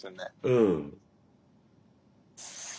うん。